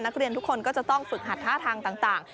นักเรียนทุกคนก็จะต้องฝึกหัดท่าทางต่าง